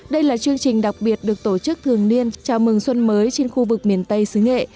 đây là chương trình đặc biệt được tổ chức thường niên chào mừng xuân mới trên khu vực miền tây xứ nghệ